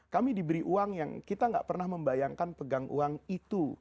kami diberi uang yang kita gak pernah membayangkan pegang uang itu